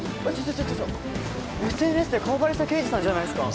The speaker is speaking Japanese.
ちょちょちょＳＮＳで顔バレした刑事さんじゃないっすか？